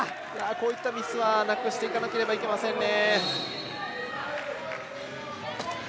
こういったミスはなくしていかなければいけませんね。